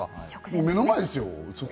目の前ですよ。